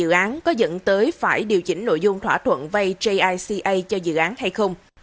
điều chỉnh thời gian thực hiện dự án có dẫn tới phải điều chỉnh nội dung thỏa thuận vây jica cho dự án hay không